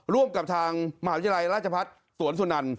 ร่วมกับทางมหาวิทยาลัยราชพัฒน์สวนสุนัน